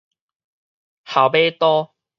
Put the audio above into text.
鱟尾刀